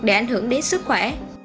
để ảnh hưởng đến sức khỏe